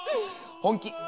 本気！